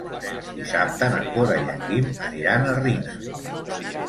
Dissabte na Cora i en Guim aniran a Riner.